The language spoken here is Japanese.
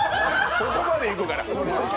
ここまでいくから。